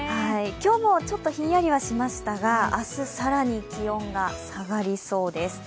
今日もちょっとひんやりはしましたが、明日、更に気温が下がりそうです。